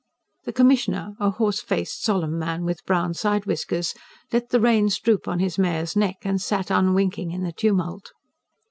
The Commissioner, a horse faced, solemn man with brown side whiskers, let the reins droop on his mare's neck and sat unwinking in the tumult.